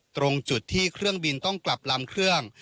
ตรงจุดที่เครื่องบินต้องกลับลำเครื่อง